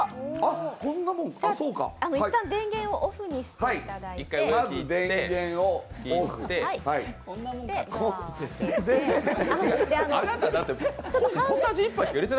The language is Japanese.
一旦、電源をオフにしていただいて。